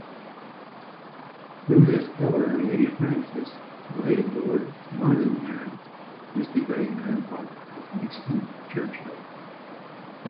Through his daughter Lady Frances, Lord Londonderry was the great-grandfather of Winston Churchill.